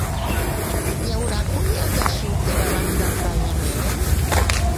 Hi haurà comiat de soltera abans del casament?